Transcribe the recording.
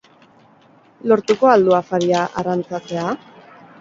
Lortuko al du afaria arrantzatzea?